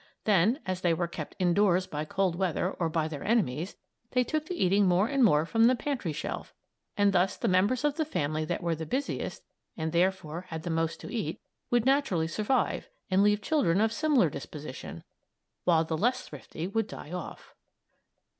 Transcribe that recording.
Then, as they were kept indoors by cold weather or by their enemies, they took to eating more and more from the pantry shelf, and thus the members of the family that were the busiest and, therefore, had the most to eat would naturally survive and leave children of a similar disposition, while the less thrifty would die off.